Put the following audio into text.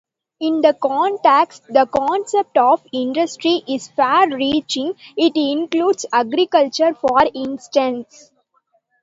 In this context, the concept of "industry" is far-reaching: it includes agriculture, for instance.